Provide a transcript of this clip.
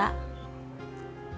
gak bisa dibeli sebagian aja